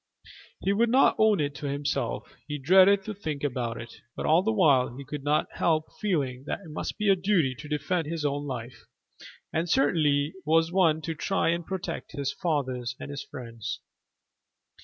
He would not own it to himself he dreaded to think about it but all the while he could not help feeling that it must be a duty to defend his own life, and certainly was one to try and protect his father and his friends.